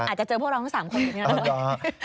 อาจจะเจอพวกเราทั้ง๓คนอยู่นี่เลย